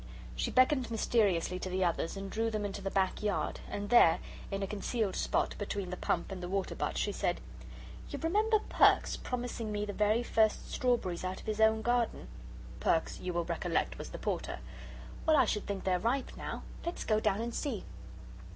She beckoned mysteriously to the others and drew them into the back yard, and there, in a concealed spot, between the pump and the water butt, she said: "You remember Perks promising me the very first strawberries out of his own garden?" Perks, you will recollect, was the Porter. "Well, I should think they're ripe now. Let's go down and see."